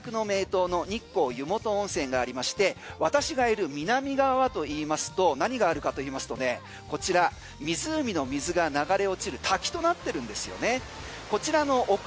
湖の北側には白濁の名湯の日光湯元温泉がありまして私がいる南側はといいますと何があるかといいますとね湖の水が流れ落ちる滝となってるんですよね。